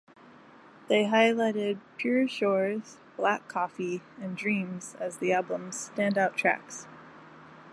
They highlighted "Pure Shores", "Black Coffee" and "Dreams" as the album's standout tracks.